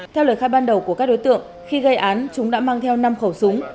theo lời khai ban đầu của các đối tượng khi gây án chúng đã mang theo năm khẩu súng